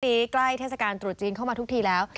ตอนนี้ใกล้เทศกาลตรูดจีนเข้ามาทุกทีแล้ว